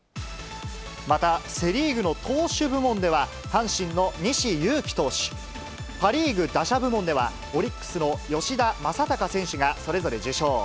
また、セ・リーグの投手部門では阪神の西勇輝投手、パ・リーグ打者部門では、オリックスの吉田正尚選手がそれぞれ受賞。